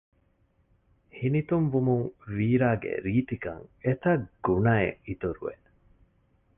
ހިނިތުންވުމުން ވީރާގެ ރީތިކަން އެތަށްގުނައެއް އިތުރުވެ